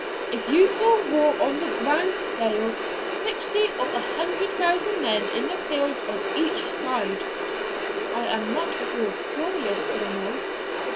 Ah! if you saw war on the grand scale sixty or a hundred thousand men in the field on each side!' 'I am not at all curious, Colonel.